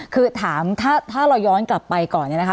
คือถามถ้าเราย้อนกลับไปก่อนเนี่ยนะคะ